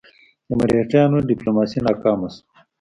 د مرهټیانو ډیپلوماسي ناکامه شوه.